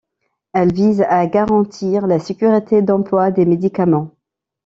Elle vise à garantir la sécurité d’emploi des médicaments.